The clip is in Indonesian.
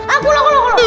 ah pulau pulau pulau